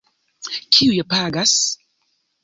Kiuj pagas?